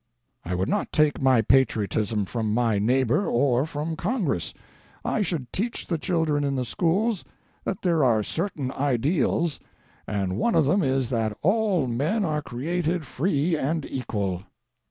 "I would not take my patriotism from my neighbor or from Congress. I should teach the children in the schools that there are certain ideals, and one of them is that all men are created free and equal.